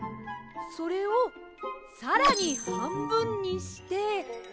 それをさらにはんぶんにして。